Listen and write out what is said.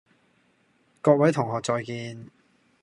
各位同學再見